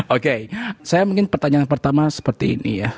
oke saya mungkin pertanyaan pertama seperti ini ya